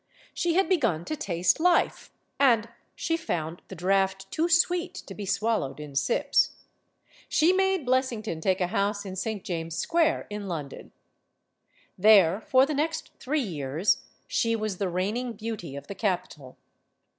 She had begun to taste life, and she found the draft too sweet to be swallowed in sips. She made 214 STORIES OF THE SUPER WOMEN filessington take a house in St. James' Square, in Lon don There, for the next three years, she was the reigning beauty of the capital.